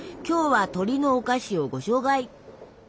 今日は鳥のお菓子をご紹介。